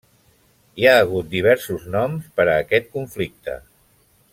Hi ha hagut diversos noms per a aquest conflicte.